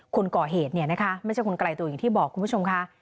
คุณก่อเหตุเนี่ยนะคะ